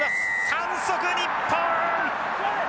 反則日本！